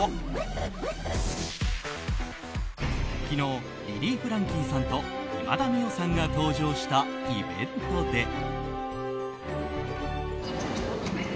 昨日リリー・フランキーさんと今田美桜さんが登場したイベントで。